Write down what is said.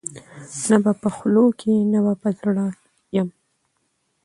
نه به په خولو کي نه به په زړه یم